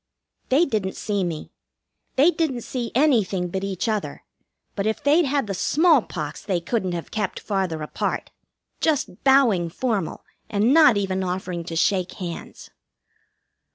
They didn't see me. They didn't see anything but each other; but if they'd had the smallpox they couldn't have kept farther apart, just bowing formal, and not even offering to shake hands.